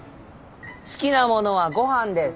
好きなものはごはんです。